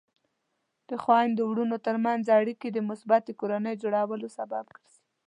د خویندو ورونو ترمنځ اړیکې د مثبتې کورنۍ جوړولو سبب ګرځي.